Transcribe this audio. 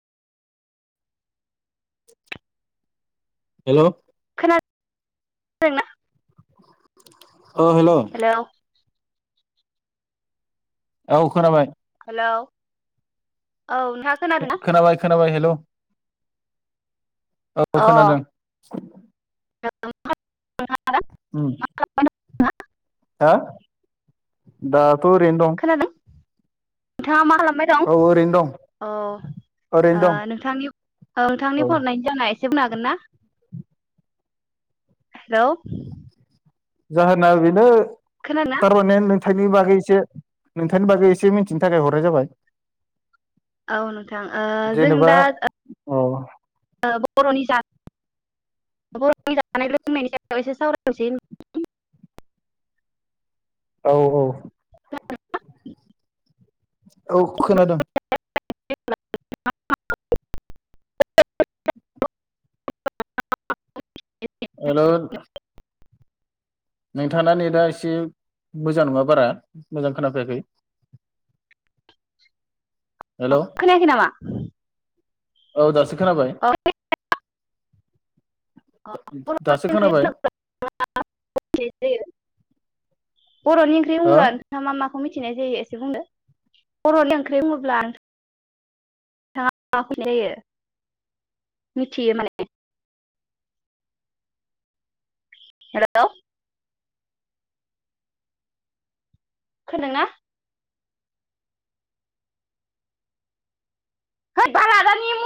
Hello खोनादोंना औ hello औ खोनाबाय हेलौ औ नोंथाङा खोनादों ना? खोनाबाय खोनाबाय हेलौ औ अ खोनादों। [unintelligible] उम हो दा दाथ' ओरैनो दं। खोनादों नोंथाङा मा खालाम बाय दं औ ओरैनो दं ओ ओरैनो नोंथांनि औ नोंथांनि दं फननायनि जानाय एसे बुंनो हागोन ना? हेलौ जाहोना बेनो खोनादोंना थारमाने नोंथांनि बागै एसे नोंथांनि बागै एसे मिथिनो थाखाय हरनाय जाबाय। औ नोंथां ओ जों दा औ [unintelligible] जानाय लोंनायनि सायाव एसे सावरायनोसै औ औ औ खोनादों। [unintelligible] हेल' नोंथाङा नेदा एसे मोजां नङा बारा मोजां खोनाफैाखै। खोनायाखै नामा औ दासो खोनाबाय अ बर'नि दासो ओंख्रि खोनाबाय मिथिनाय जायो बर'नि ओंख्रि हो बुंब्ला नोथाङा मा माखौ मिथियो मिथिनाय जायो एसे बुंनो बर'नि ओंख्रि बुङोब्ला नोंथाङा मा फैनाय जायो मिथियो माने हेलौ खोनादोंना? [unintelligible]